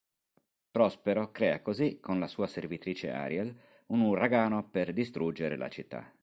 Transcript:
Prospero crea così, con la sua servitrice Ariel, un uragano per distruggere la città.